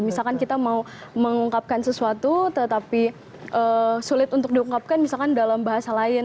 misalkan kita mau mengungkapkan sesuatu tetapi sulit untuk diungkapkan misalkan dalam bahasa lain